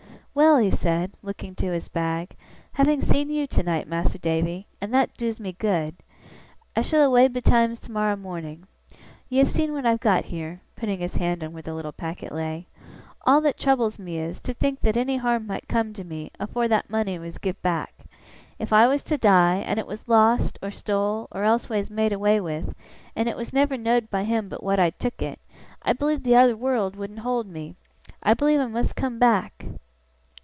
'Well!' he said, looking to his bag, 'having seen you tonight, Mas'r Davy (and that doos me good!), I shall away betimes tomorrow morning. You have seen what I've got heer'; putting his hand on where the little packet lay; 'all that troubles me is, to think that any harm might come to me, afore that money was give back. If I was to die, and it was lost, or stole, or elseways made away with, and it was never know'd by him but what I'd took it, I believe the t'other wureld wouldn't hold me! I believe I must come back!